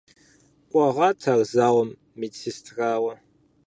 Кӏуэгъат ар зауэм медсестрауэ.